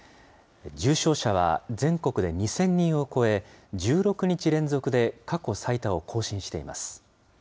重症者は全国で２０００人を超え、１６日連続で過去最多を更新しています。